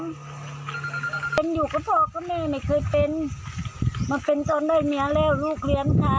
พักก็ขโมยอายุก็พอก็ไม่ไม่เคยมันเป็นมันเป็นรวดได้เงียวแล้วลูกเลี้ยงลูกค่ะ